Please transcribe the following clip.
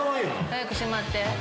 早くしまって。